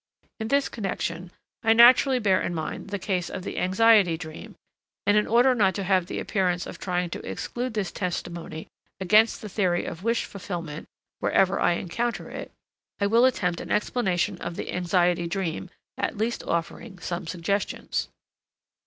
In this connection, I naturally bear in mind the case of the anxiety dream, and in order not to have the appearance of trying to exclude this testimony against the theory of wish fulfillment wherever I encounter it, I will attempt an explanation of the anxiety dream, at least offering some suggestions.